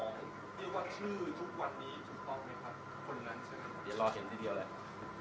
เดี๋ยวรอเห็นทีเดียวแหละ